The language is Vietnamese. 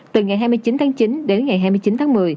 từ ngày hai mươi chín tháng chín đến ngày hai mươi chín tháng một mươi